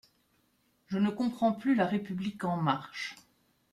Je ne comprends plus La République en marche.